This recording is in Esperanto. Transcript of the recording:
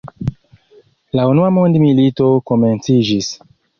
La Unua mondmilito komenciĝis.